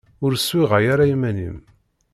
Ur swiɣay ara iman-im.